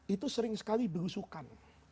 itu sering sekali berusukan